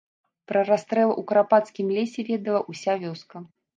Пра расстрэлы ў курапацкім лесе ведала ўся вёска.